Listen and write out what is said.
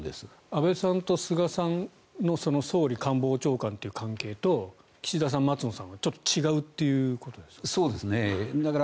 安倍さんと菅さんの総理官房長官という関係と岸田さん、松野さんはちょっと違うということですか。